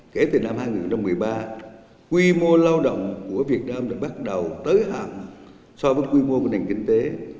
kể từ năm hai nghìn một mươi ba quy mô lao động của việt nam đã bắt đầu tới hạng so với quy mô của nền kinh tế